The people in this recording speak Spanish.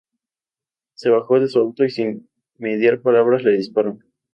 Se bajó de su auto y sin mediar palabras le disparó.